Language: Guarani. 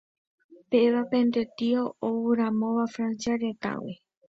péva pende tio ouramóva Francia retãgui